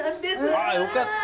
あよかった！